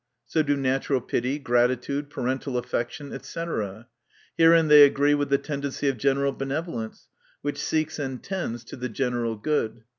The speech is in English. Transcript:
So do natural pity, gratitude, parental affection, &c. Herein they agree with the tendency of general benev olence, which seeks and tends to the general good.